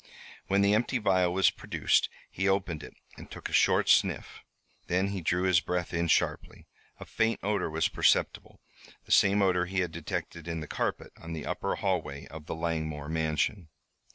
When the empty vial was produced he opened it and took a short sniff. Then he drew his breath in sharply. A faint odor was perceptible, the same odor he had detected in the carpet on the upper hallway of the Langmore mansion.